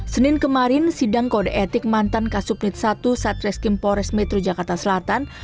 senin kemarin sidang kode etik mantan kasupnit i satreskimpores metro jakarta selatan